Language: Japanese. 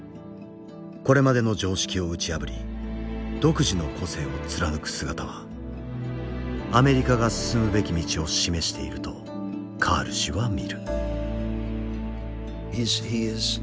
これまでの常識を打ち破り独自の個性を貫く姿はアメリカが進むべき道を示しているとカール氏は見る。